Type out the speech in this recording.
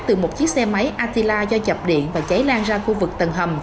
từ một chiếc xe máy atila do chập điện và cháy lan ra khu vực tầng hầm